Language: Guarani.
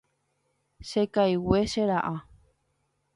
Chekaigue, che ra'a.